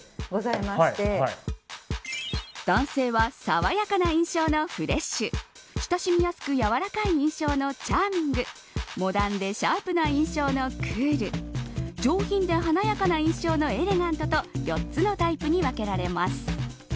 男性は爽やかな印象のフレッシュ親しみやすくやわらかい印象のチャーミングモダンでシャープな印象のクール上品で華やかな印象のエレガントと４つのタイプに分けられます。